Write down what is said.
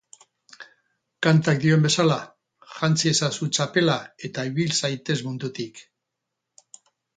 Kantak dioen bezala, jantzi ezazu txapela eta ibil zaitez mundutik.